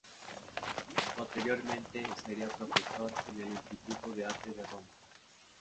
Posteriormente sería profesor en el Instituto de Arte de Roma.